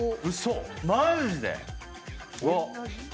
マジで⁉「を」！